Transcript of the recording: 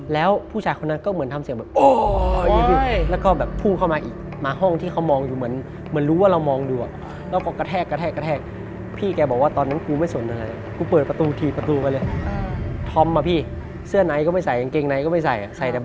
แล้วผู้ชายคนนั้นก็เหมือนทำเสียงแบบ